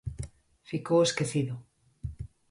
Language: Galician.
Ficou esquecido.